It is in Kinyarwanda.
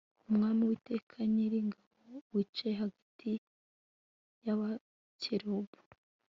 Umwami Uwiteka nyiringabo wicaye hagati yabakerubi